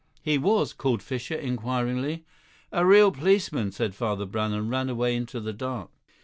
"He was?" called Fischer inquiringly. "A real policeman," said Father Brown, and ran away into the dark.